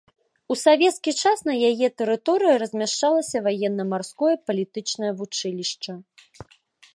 У савецкі час на яе тэрыторыі размяшчалася ваенна-марское палітычнае вучылішча.